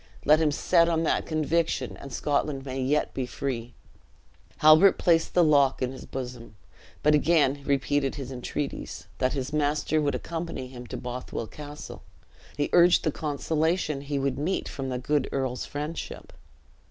Let him set on that conviction and Scotland may yet be free." Halbert placed the lock in his bosom, but again repeated his entreaties, that his master would accompany him to Bothwell Castle. He urged the consolation he would meet from the good earl's friendship.